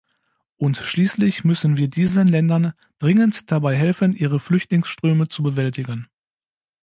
Und schließlich müssen wir diesen Ländern dringend dabei helfen, ihre Flüchtlingsströme zu bewältigen.